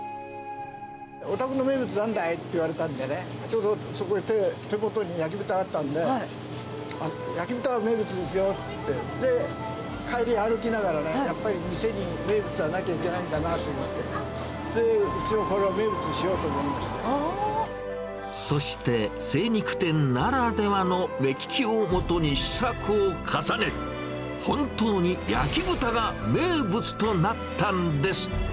お宅の名物なんだい？って言われたんでね、ちょうどそこに、手元に焼き豚があったんで、焼き豚が名物ですよって、それで帰り、歩きながらね、やっぱり店に名物がなきゃいけないんだなと思って、それでうちのそして、精肉店ならではの目利きをもとに試作を重ね、本当に焼き豚が名物となったんです。